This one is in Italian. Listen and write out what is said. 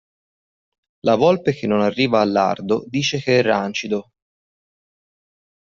La volpe che non arriva al lardo dice che è rancido.